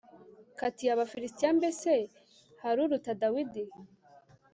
kati abafilisitiya mbese haruruta dawidi